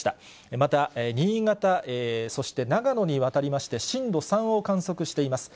また新潟、そして長野にわたりまして、震度３を観測しています。